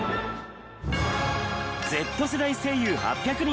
Ｚ世代声優８００人が選ぶ！